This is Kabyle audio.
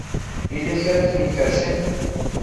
Yella kra ay kem-ikerrcen.